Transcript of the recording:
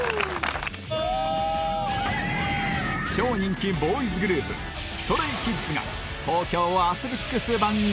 超人気ボーイズグループ ＳｔｒａｙＫｉｄｓ が東京を遊び尽くす番組